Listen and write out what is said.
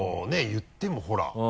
言ってもほら。